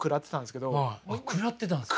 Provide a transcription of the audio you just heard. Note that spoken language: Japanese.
食らってたんですか？